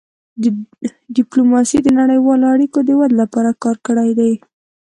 ډيپلوماسي د نړیوالو اړیکو د ودې لپاره کار کړی دی.